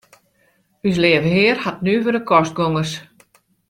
Us Leave Hear hat nuvere kostgongers.